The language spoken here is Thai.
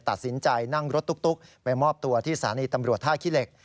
ตัดสินใจนั่งรถตุ๊กไปมอบตัวที่สถานีตำรวจท่าขี้เหล็ก